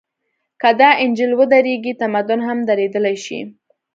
که دا انجن ودرېږي، تمدن هم درېدلی شي.